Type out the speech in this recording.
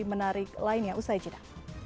menarik lainnya usai cita